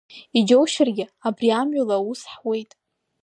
Иџьоушьаргьы, абри амҩала аус ҳуеит.